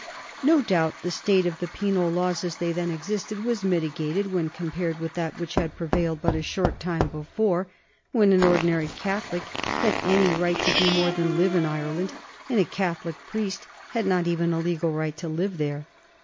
No doubt the state of the penal laws as they then existed was mitigated when compared with that which had prevailed but a short time before, when an ordinary Catholic had hardly any right to do more than live in Ireland, and a Catholic priest had not even a legal right to live there.